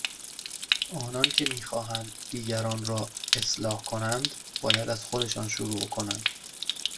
آنان که میخواهند دیگران را اصلاح کنند باید از خودشان شروع کنند.